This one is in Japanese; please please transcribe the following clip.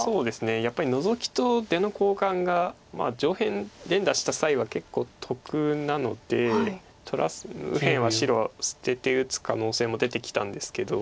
やっぱりノゾキと出の交換が上辺連打した際は結構得なので右辺は白は捨てて打つ可能性も出てきたんですけど。